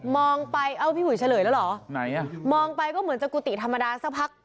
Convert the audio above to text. มองไปเอ้าพี่อุ๋ยเฉลยแล้วเหรอไหนอ่ะมองไปก็เหมือนจะกุฏิธรรมดาสักพัก